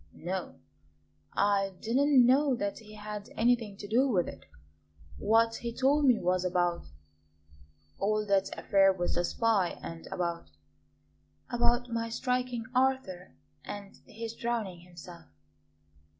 "No, I didn't know that he had anything to do with it. What he told me was about all that affair with the spy, and about " "About my striking Arthur and his drowning himself.